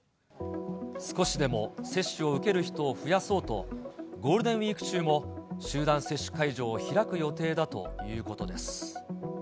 少しでも接種を受ける人を増やそうと、ゴールデンウィーク中も、集団接種会場を開く予定だということです。